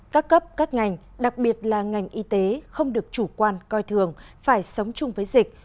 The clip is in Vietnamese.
các cấp các ngành đặc biệt là ngành y tế không được chủ quan coi thường phải sống chung với dịch